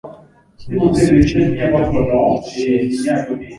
Kinyesi chenye damu au cheusi